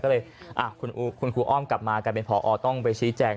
ก็เลยคุณครูอ้อมกลับมากลายเป็นพอต้องไปชี้แจง